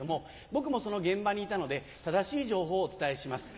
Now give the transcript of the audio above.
僕もその現場にいたので正しい情報をお伝えします。